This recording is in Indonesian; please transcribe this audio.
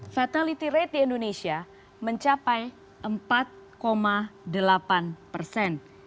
fatality rate di indonesia mencapai empat delapan persen